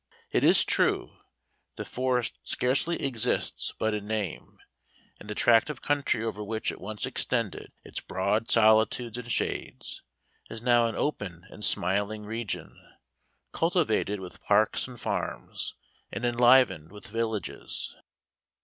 It is true, the forest scarcely exists but in name, and the tract of country over which it once extended its broad solitudes and shades, is now an open and smiling region, cultivated with parks and farms, and enlivened with villages.